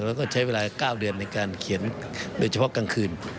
แล้วก็ใช้เวลา๙เดือนในการเขียนโดยเฉพาะกลางคืน